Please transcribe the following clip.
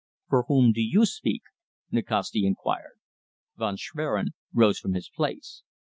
"For whom do you speak?" Nikasti inquired. Von Schwerin rose from his place.